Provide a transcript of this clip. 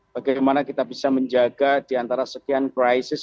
bagaimana kita bisa menjaga di antara sekian krisis